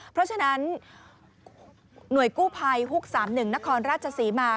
เพราะฉะนั้นหน่วยกู้ภัยฮุก๓๑นครราชศรีมา